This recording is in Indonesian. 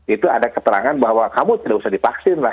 itu ada keterangan bahwa kamu tidak usah dipaksin lah